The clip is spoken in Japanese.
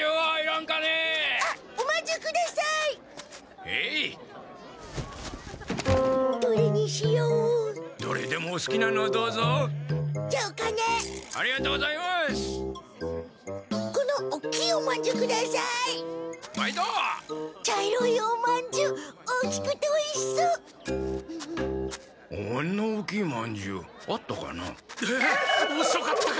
はあおそかったか。